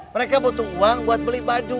mereka butuh uang buat beli baju